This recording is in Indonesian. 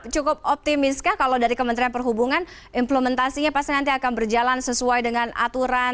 cukup optimis kah kalau dari kementerian perhubungan implementasinya pasti nanti akan berjalan sesuai dengan aturan